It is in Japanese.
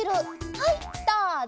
はいどうぞ！